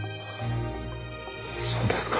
そうですか。